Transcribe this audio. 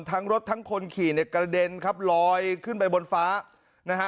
ทั้งรถทั้งคนขี่เนี่ยกระเด็นครับลอยขึ้นไปบนฟ้านะฮะ